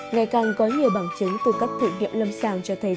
ngày càng có nhiều bằng chứng từ các thử nghiệm lâm sàng cho thấy